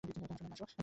আসো মা, আসো।